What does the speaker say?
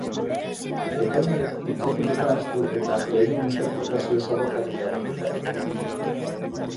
Epaileek iritzi publikoa ahaztu eta legeen interpretazio zorrotza egin behar dute?